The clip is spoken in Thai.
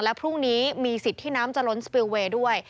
และพรุ่งนี้มีสิทธิ์ที่น้ำจะล้นสปิลเวย์ด้วย